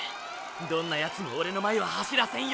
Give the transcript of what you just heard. どんなヤツもオレの前は走らせんよ！